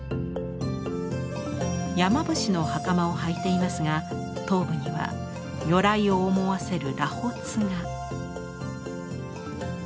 山伏の袴をはいていますが頭部には如来を思わせる螺髪が。